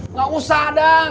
nggak usah dang